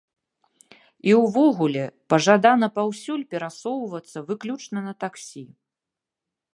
І ўвогуле, пажадана паўсюль перасоўвацца выключна на таксі.